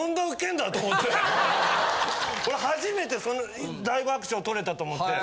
俺初めて大爆笑とれたと思って。